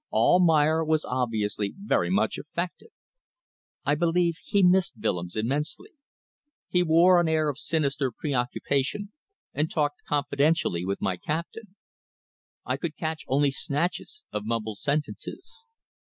Almayer was obviously very much affected. I believe he missed Willems immensely. He wore an air of sinister preoccupation and talked confidentially with my captain. I could catch only snatches of mumbled sentences.